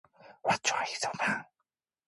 내 아들아 내 딸아 요란스럽다.